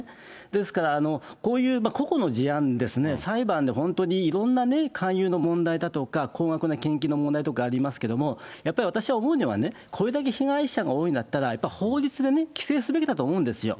ですから、こういう個々の事案ですね、裁判で本当にいろんな勧誘の問題だとか、高額な献金の問題とかありますけれども、やっぱり私は思うにはね、これだけ被害者が多いんだったら、やっぱり法律で規制すべきだと思うんですよ。